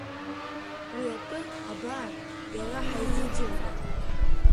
Уи атәы абар иара ҳаизыӡырҩып…